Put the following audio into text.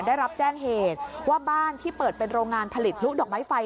ได้รับแจ้งเหตุว่าบ้านที่เปิดเป็นโรงงานผลิตพลุดอกไม้ไฟ